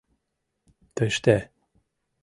тыште